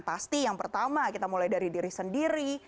pasti yang pertama kita mulai dari diri sendiri